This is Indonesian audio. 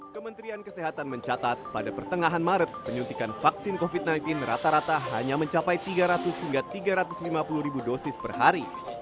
kementerian kesehatan mencatat pada pertengahan maret penyuntikan vaksin covid sembilan belas rata rata hanya mencapai tiga ratus hingga tiga ratus lima puluh ribu dosis per hari